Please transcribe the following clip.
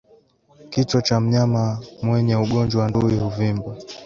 Kichwa cha mnyama mwenye ugonjwa wa ndui huvimba